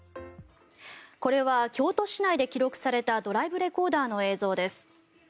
これは京都市内で記録されたドライブレコーダーの映像です。